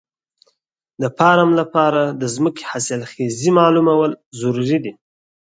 د فارم لپاره د ځمکې حاصلخېزي معلومول ضروري دي.